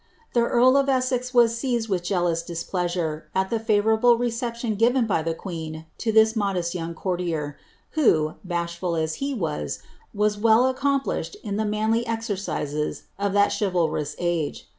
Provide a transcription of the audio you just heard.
The earl of Essex was seized with jealous displeasure irable reception given by the queen to this modest young 0, bashful as he was, was well accomplished in the manly that chivalrous age.